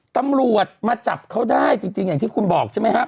ตำรวจมาจับเขาได้จริงอย่างที่คุณบอกใช่ไหมครับ